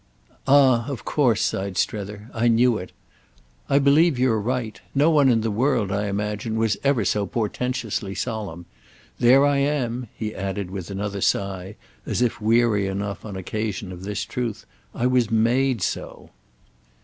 "Ah of course," sighed Strether, "I knew it. I believe you're right. No one in the world, I imagine, was ever so portentously solemn. There I am," he added with another sigh, as if weary enough, on occasion, of this truth. "I was made so."